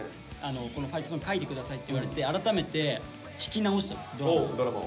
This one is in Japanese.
「このファイトソング書いて下さい」って言われて改めて聴き直したんです「ドラマ」を。